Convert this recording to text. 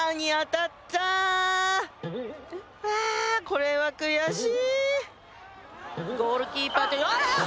これは悔しいゴールキーパーとあらっ！